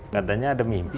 katanya ada mimpi